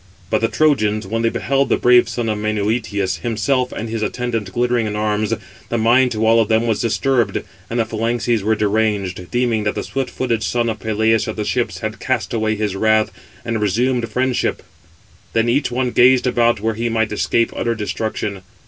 But the Trojans, when they beheld the brave son of Menœtius, himself and his attendant glittering in arms, the mind to all of them was disturbed, and the phalanxes were deranged, deeming that the swift footed son of Peleus at the ships had cast away his wrath, and resumed friendship: then each one gazed about where he might escape utter destruction.